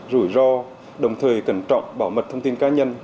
rủi ro đồng thời cẩn trọng bảo mật thông tin cá nhân